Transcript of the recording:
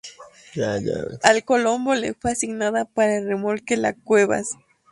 Al "Colombo" le fue asignada para el remolque la "Cuevas".